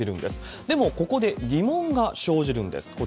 でもここで、疑問が生じるんです。